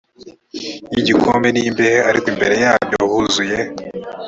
y igikombe n imbehe ariko imbere yabyo huzuye